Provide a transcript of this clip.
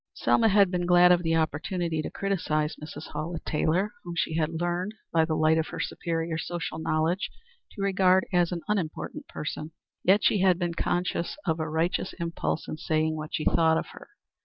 Selma had been glad of the opportunity to criticise Mrs. Hallett Taylor, whom she had learned, by the light of her superior social knowledge, to regard as an unimportant person. Yet she had been conscious of a righteous impulse in saying what she thought of her.